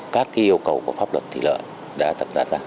các yêu cầu của pháp luật thủy lợi đã được đặt ra